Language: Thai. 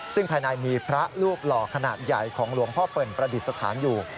ซึ่งภายในมีพระรูปหล่อขนาดใหญ่ของหลวงพ่อเปิ่นประดิษฐานอยู่